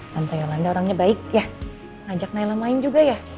tanto yolanda orangnya baik ya ngajak naila main juga ya